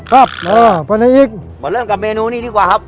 เราเริ่มกับเมนูนี้ดีกว่าครับ